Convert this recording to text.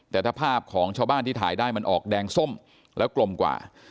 แต่ถ้าภาพของชาวบ้านที่ถ่ายได้มันออกแดงส้มแล้วกลมกว่า